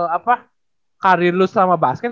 apa karir lo sama basket